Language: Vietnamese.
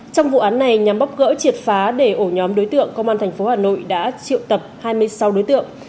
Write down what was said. trong vụ án này nhằm bóc gỡ triệt phá để ổ nhóm đối tượng công an tp hà nội đã triệu tập hai mươi sáu đối tượng